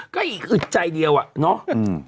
ก็อีกคือใจเดียวอ่ะเนอะ